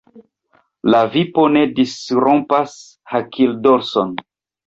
La vipo ne disrompas hakildorson!